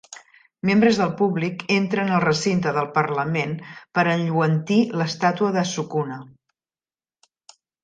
Membres del públic entren al recinte del Parlament per enlluentir l'estàtua de Sukuna.